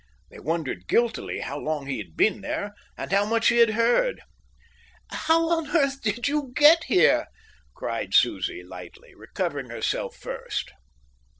They wondered guiltily how long he had been there and how much he had heard. "How on earth did you get here?" cried Susie lightly, recovering herself first.